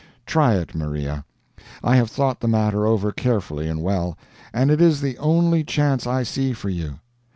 Try it, Maria. I have thought the matter over carefully and well, and it is the only chance I see for you.